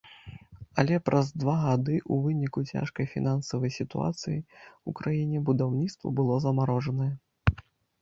Але праз два гады у выніку цяжкай фінансавай сітуацыі ў краіне будаўніцтва было замарожанае.